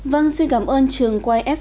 vâng xin cảm ơn trường ys hai